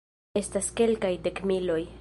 Estas kelkaj dekmiloj.